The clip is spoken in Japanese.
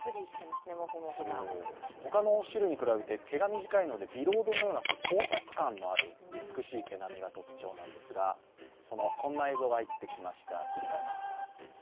他の種類に比べて毛が短いのでビロードのような光沢感のある美しい毛並みが特徴なんですが、こんな映像が入ってきました。